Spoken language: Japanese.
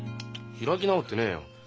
開き直ってねえよ。